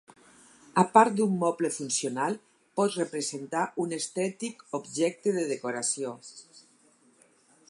A part d'un moble funcional, pot representar un estètic objecte de decoració.